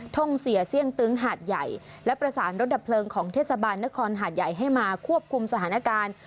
ท่องเสียเสี่ยงตึงหาดใหญ่และประสานรถดับเพลิงของเทศบาลนครหาดใหญ่ให้มาควบคุมสถานการณ์